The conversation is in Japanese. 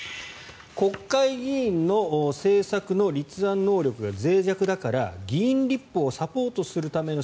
国会議員の政策の立案能力がぜい弱だから議員立法をサポートするための